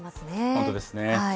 本当ですね。